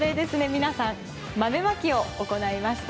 皆さん、豆まきを行いました